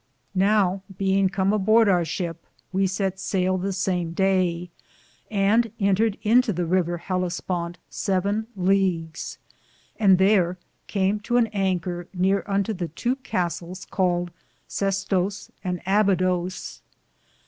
Now, beinge Come aborde our ship, we sett saile the same Daye, and entered into the rever Hellisponte seven leagues, and thare came to an Anker neare unto the tow Castels caled Sestose and Abidose.